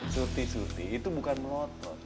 sorti sorti itu bukan melotot